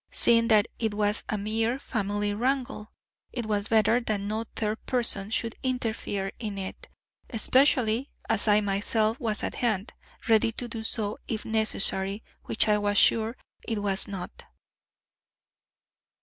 Seeing that it was a mere family wrangle, it was better that no third person should interfere in it, especially as I myself was at hand, ready to do so if necessary, which I was sure it was not."